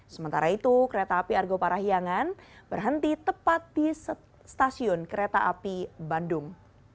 sementara itu kereta api argo parahiangan berhenti tepat di stasiun kereta api bandung